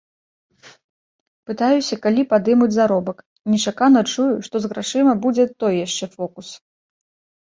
Пытаюся, калі падымуць заробак, нечакана чую, што з грашыма будзе той яшчэ фокус.